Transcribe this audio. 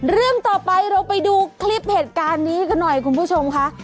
เรื่องต่อไปเราไปดูคลิปเหตุการณ์นี้กันหน่อยคุณผู้ชมค่ะ